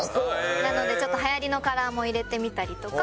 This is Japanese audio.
なのでちょっとはやりのカラーも入れてみたりとか。